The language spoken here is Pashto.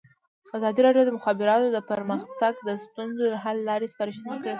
ازادي راډیو د د مخابراتو پرمختګ د ستونزو حل لارې سپارښتنې کړي.